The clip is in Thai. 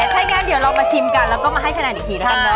ถ้ายังงานเดียวเรามาชิมกันแล้วก็มาให้คะแนนอีกทีกันนะครับ